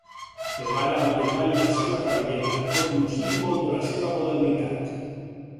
Treballa amb detall la seva cabellera, tot un símbol de la seva modernitat.